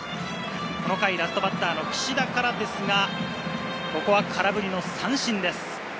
この回、ラストバッターの岸田からですが、ここは空振り三振です。